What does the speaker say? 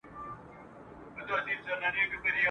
استادانو چلول درانه بارونه !.